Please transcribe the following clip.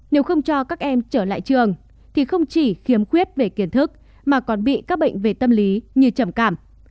nếu không cho các em trở lại trường thì không chỉ khiếm khuyết về kiến thức mà còn bị các bệnh về tâm lý như trầm cảm